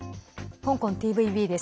香港ＴＶＢです。